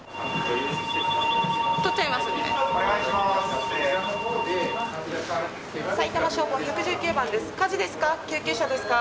取っちゃいますね。